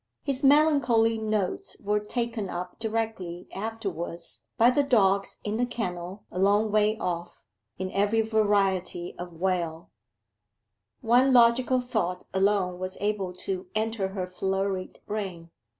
His melancholy notes were taken up directly afterwards by the dogs in the kennel a long way off, in every variety of wail. One logical thought alone was able to enter her flurried brain.